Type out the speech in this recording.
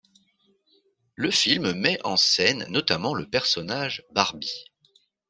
Le film met en scène notamment le personnage Barbie.